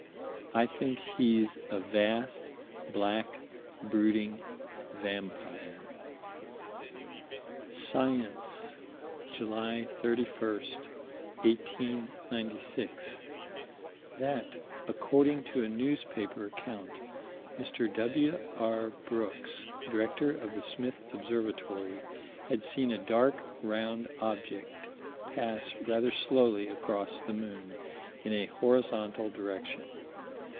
I think he's a vast, black, brooding vampire. Science, July 31, 1896: That, according to a newspaper account, Mr. W.R. Brooks, director of the Smith Observatory, had seen a dark round object pass rather slowly across the moon, in a horizontal direction.